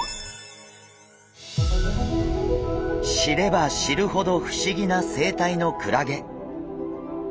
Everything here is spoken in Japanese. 知れば知るほど不思議な生態のクラゲ。